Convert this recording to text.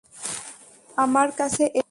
আমার কাছে এসো!